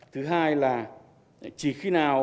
thứ hai là chỉ khi nào